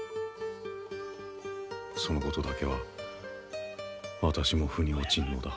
そのことだけは私も腑に落ちぬのだ。